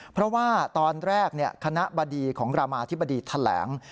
เพราะว่าตอนแรกคณะบดีของรามาธิบดีแถลง